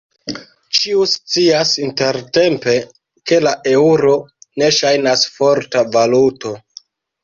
Ĉiu scias intertempe ke la eŭro ne ŝajnas forta valuto.